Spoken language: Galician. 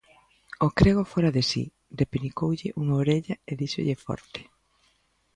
O crego fóra de si, repenicoulle unha orella e díxolle forte.